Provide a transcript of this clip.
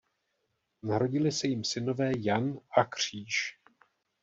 Narodili se jim synové Jan a Kříž.